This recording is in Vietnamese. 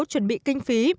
chuẩn bị kinh phí